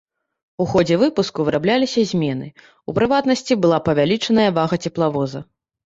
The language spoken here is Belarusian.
У ходзе выпуску вырабляліся змены, у прыватнасці, была павялічаная вага цеплавоза.